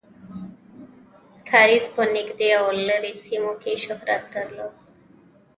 کاریز په نږدې او لرې سیمو کې شهرت درلود.